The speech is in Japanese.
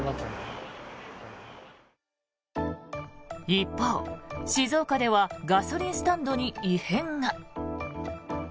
一方、静岡ではガソリンスタンドに異変が。